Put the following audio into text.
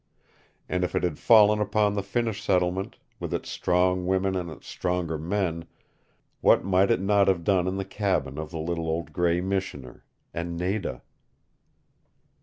And if it had fallen upon the Finnish settlement, with its strong women and its stronger men, what might it not have done in the cabin of the little old gray Missioner and Nada?